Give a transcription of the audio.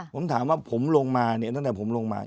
ผมถามว่าผมลงมาเนี่ยตั้งแต่ผมลงมา